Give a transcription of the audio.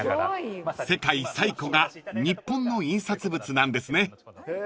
［世界最古が日本の印刷物なんですね］